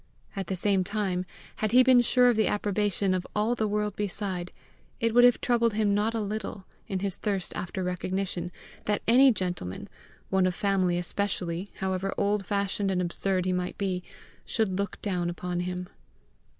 At the same time, had he been sure of the approbation of all the world beside, it would have troubled him not a little, in his thirst after recognition, that any gentleman, one of family especially, however old fashioned and absurd he might be, should look down upon him.